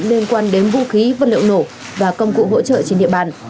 liên quan đến vũ khí vật liệu nổ và công cụ hỗ trợ trên địa bàn